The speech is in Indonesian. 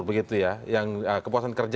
begitu ya yang kepuasan kerja